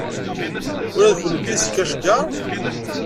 Ula d kennemti seg Kashgar?